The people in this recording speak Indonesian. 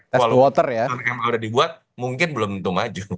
kalau survei yang sudah dibuat mungkin belum untuk maju